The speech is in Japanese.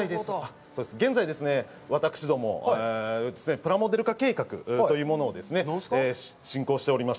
現在、私ども、プラモデル化計画というものを進行しております。